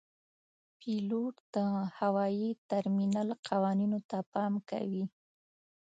پیلوټ د هوايي ترمینل قوانینو ته پام کوي.